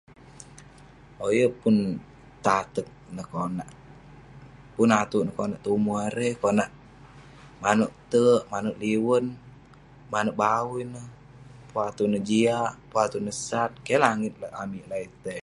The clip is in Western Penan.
Owk.yeng pun tateg neh konak, pun atuk neh konak tumu erei. konak manouk terk, manouk liwen, manouk bawui neh, pun atuk neh jiak. pun atuk neh sat, keh lah. langit amik lak etei.